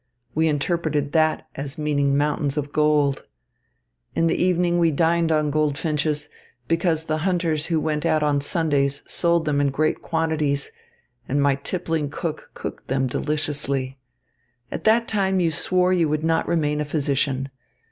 We interpreted that as meaning mountains of gold. In the evening we dined on goldfinches, because the hunters who went out on Sundays sold them in great quantities and my tippling cook cooked them deliciously. At that time you swore you would not remain a physician.